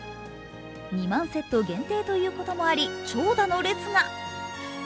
２万セット限定ということもあり、長蛇の列が。